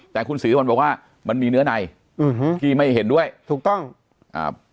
แต่คุณศรีสุวรรณบอกว่ามันมีเนื้อในอืมฮะที่ไม่เห็นด้วยถูกต้องอ่า